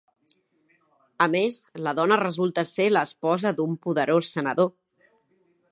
A més, la dona resulta ser l'esposa d'un poderós senador.